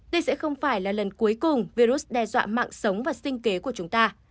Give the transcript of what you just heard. đây sẽ không phải là lần cuối cùng virus đe dọa mạng sống và sinh kế của chúng ta